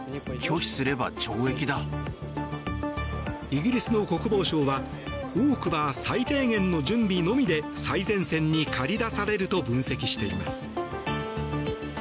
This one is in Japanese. イギリスの国防省は多くは最低限の準備のみで最前線に駆り出されると分析しています。